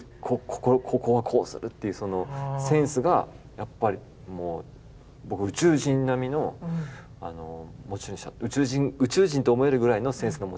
ここはこうするっていうそのセンスがやっぱりもう宇宙人並みの宇宙人と思えるぐらいのセンスの持ち主だったんじゃないかなと。